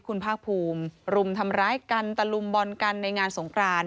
คุณภาคภูมิรุมทำร้ายกันตะลุมบอลกันในงานสงคราน